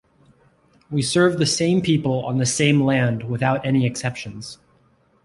We serve the same people on the same land without any exceptions.